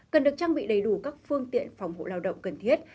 cần được trang bị đầy đủ các phương tiện phòng hộ lao động cần thiết